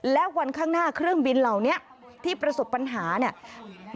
และวันข้างหน้าเครื่องบินเหล่านี้ที่ประสบปัญหาเนี่ย